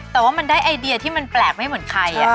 แต่ว่ามันได้ไอเดียที่มันแปลกไม่เหมือนใคร